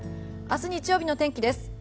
明日日曜日の天気です。